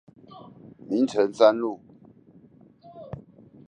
明誠三路